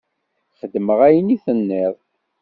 Xedmeɣ ayen i d-tenniḍ.